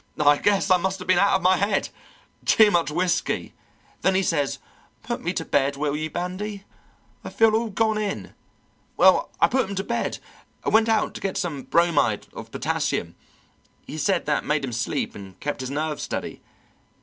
'I guess I must have been out of my head. Too much whisky!' Then he says: 'Put me to bed, will you, Bandy? I feel all gone in.' Well, I put him to bed and went out to get some bromide of potassium; he said that made him sleep and kept his nerves steady.